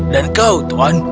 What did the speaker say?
dan kau tuan